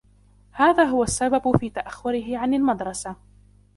هذا هو السبب في تاخره عن المدرسة.